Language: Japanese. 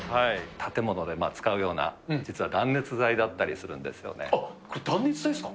建物で使うような、実は断熱あっ、これ、断熱材ですか。